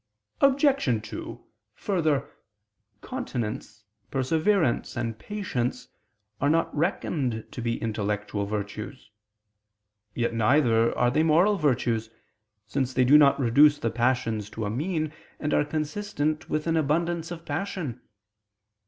Obj. 2: Further, continency, perseverance, and patience are not reckoned to be intellectual virtues. Yet neither are they moral virtues; since they do not reduce the passions to a mean, and are consistent with an abundance of passion.